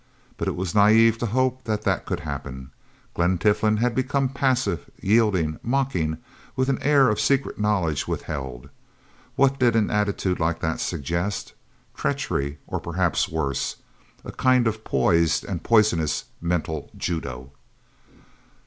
But it was naive to hope that that could happen. Glen Tiflin had become passive, yielding, mocking, with an air of secret knowledge withheld. What did an attitude like that suggest? Treachery, or, perhaps worse, a kind of poised and poisonous mental judo?